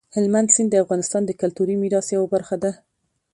هلمند سیند د افغانستان د کلتوري میراث یوه برخه ده.